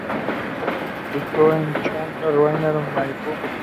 Luchó en Cancha Rayada y Maipú.